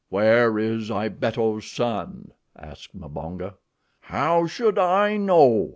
"Where is Ibeto's son?" asked Mbonga. "How should I know?"